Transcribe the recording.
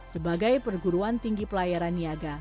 sebagai perguruan tinggi pelayaran niaga